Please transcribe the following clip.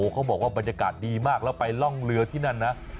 เขาบอกว่าบรรยากาศดีมากแล้วไปร่องเรือที่นั่นนะ